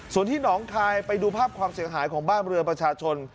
ส่วนที่หนองคายไปดูภาพความเสียหายของบ้านเรือประชาชน